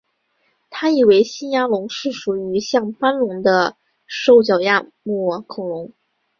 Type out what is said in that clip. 他认为新牙龙是属于像斑龙的兽脚亚目恐龙。